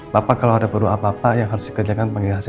bapak kalau ada perlu apa apa yang harus dikerjakan panggil aja saya